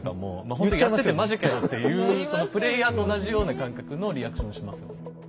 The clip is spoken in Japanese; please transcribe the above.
ほんとやって「マジかよ」っていうそのプレイヤーと同じような感覚のリアクションをしますもん。